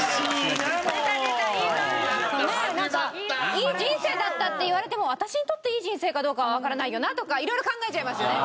いい人生だったって言われても私にとっていい人生かどうかはわからないよなとか色々考えちゃいますよね。